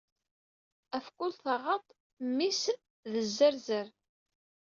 Af kull taɣaṭ, mmi-s d zerzer.